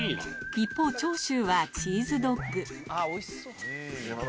一方長州はチーズドッグおいしそう。